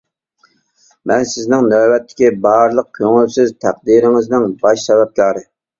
مەن سىزنىڭ نۆۋەتتىكى بارلىق كۆڭۈلسىز تەقدىرىڭىزنىڭ باش سەۋەبكارى.